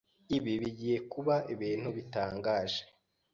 Ibi bigiye kuba ibintu bitangaje.